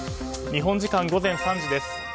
日本時間午前３時です。